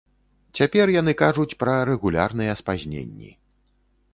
Цяпер яны кажуць пра рэгулярныя спазненні.